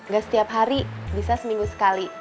gak setiap hari bisa seminggu sekali